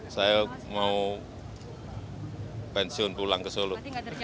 saya mau pensiun pulang ke solo